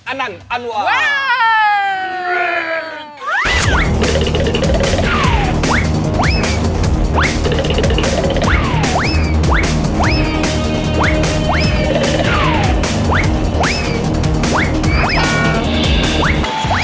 อันนั่นอันวัน